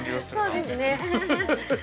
◆そうですね。